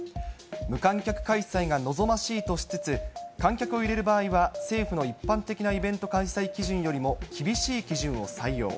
無観客開催が望ましいとしつつ、観客を入れる場合は政府の一般的なイベント開催基準よりも厳しい基準を採用。